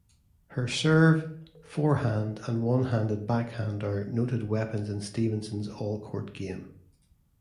Her serve, forehand, and one-handed backhand are noted weapons in Stevenson's all-court game.